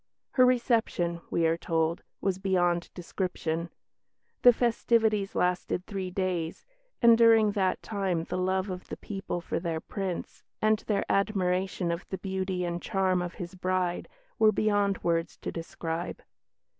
"Her reception," we are told, "was beyond description. The festivities lasted three days, and during that time the love of the people for their Prince, and their admiration of the beauty and charm of his bride, were beyond words to describe."